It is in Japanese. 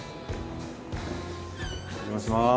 お邪魔します。